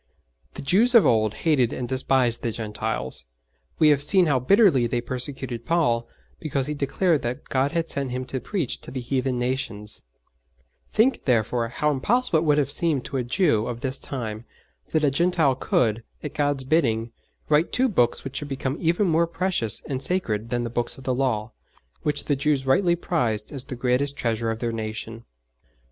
The Jews of old hated and despised the Gentiles; we have seen how bitterly they persecuted Paul because he declared that God had sent him to preach to the heathen nations; think, therefore, how impossible it would have seemed to a Jew of this time, that a Gentile could, at God's bidding, write two Books which should become even more precious and sacred than the Books of the Law, which the Jews rightly prized as the greatest treasure of their nation!